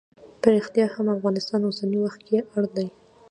په ریښتیا هم افغانستان اوسنی وخت کې اړ دی.